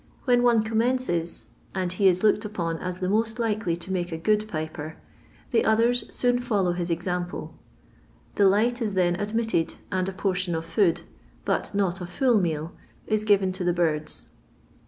When one commences — and he is looked upon as the most likely to make a good piper— the others soon fiiUow bis example. The light is then admitted sad a portion of food, but not a full meal, is given to the birds.